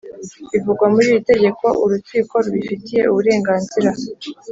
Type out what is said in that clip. bivugwa muri iri tegeko Urukiko rubifitiye uburenganzira